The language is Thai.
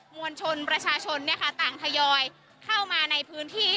มวลชนประชาชนเนี่ยค่ะต่างทยอยเข้ามาในพื้นที่